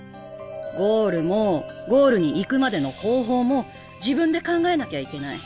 ゴールもゴールに行くまでの方法も自分で考えなきゃいけない。